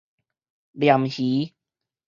鯰魚